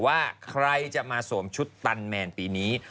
ว่าใครจะมาสวมชุดตันแมนปีนี้